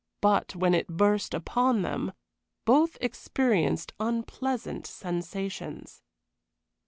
But when it burst upon them, both experienced unpleasant sensations.